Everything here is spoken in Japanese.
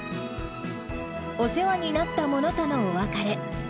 お世話になったものとのお別れ。